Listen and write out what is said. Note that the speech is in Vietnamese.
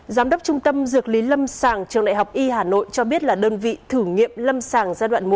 giám đốc trung tâm dược lý lâm sàng trường đại học y hà nội cho biết là đơn vị thử nghiệm lâm sàng giai đoạn một